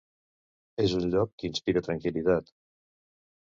És un lloc que inspira tranquil·litat.